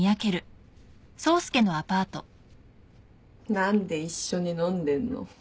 何で一緒に飲んでんの？